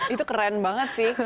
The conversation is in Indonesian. itu keren banget sih